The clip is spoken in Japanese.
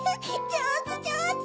じょうずじょうず！